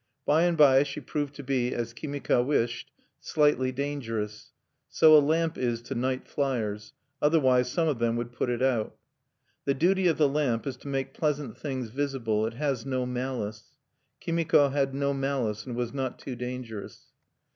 By and by she proved to be, as Kimika wished, slightly dangerous. So a lamp is to night fliers: otherwise some of them would put it out. The duty of the lamp is to make pleasant things visible: it has no malice. Kimiko had no malice, and was not too dangerous.